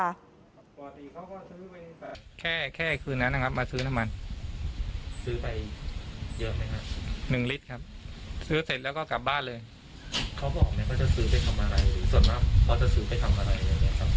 ส่วนมากเขาจะซื้อไปทำอะไรอย่างนี้ครับ